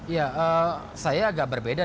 ya saya agak berbeda